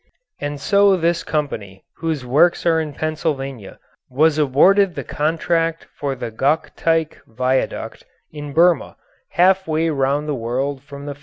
And so this company whose works are in Pennsylvania was awarded the contract for the Gokteik viaduct in Burma, half way round the world from the factory.